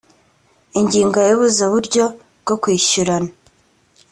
ingingo ya ihuzaburyo bwo kwishyurana